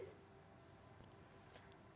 maka kita harus melibatkan perpaduan itu sendiri